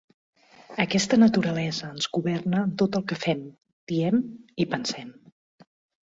Aquesta naturalesa ens governa en tot el que fem, diem i pensem.